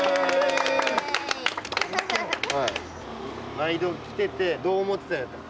毎度来ててどう思ってたんやったっけ？